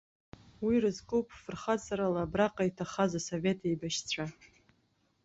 Уи рызкуп фырхаҵарала абраҟа иҭахаз асовет еибашьцәа.